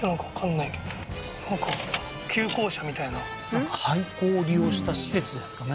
なんか廃校を利用した施設ですかね